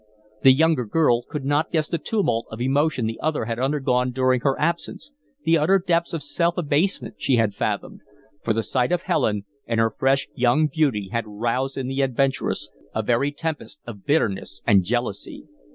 The younger girl could not guess the tumult of emotion the other had undergone during her absence, the utter depths of self abasement she had fathomed, for the sight of Helen and her fresh young beauty had roused in the adventuress a very tempest of bitterness and jealousy.